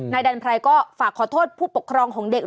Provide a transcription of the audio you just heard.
ดันไพรก็ฝากขอโทษผู้ปกครองของเด็ก